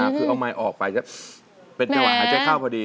คือเอาไมค์ออกไปจะเป็นจังหวะหายใจเข้าพอดี